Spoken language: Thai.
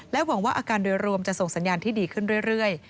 หวังว่าอาการโดยรวมจะส่งสัญญาณที่ดีขึ้นเรื่อย